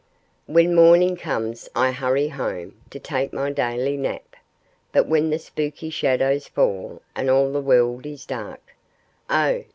When morning comes I hurry home, to take my daily nap; But when the spooky shadows fall and all the world is dark, Oh!